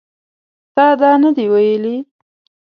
تا دا نه دي ویلي